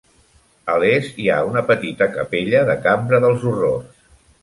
A l'est hi ha una petita capella de "cambra dels horrors".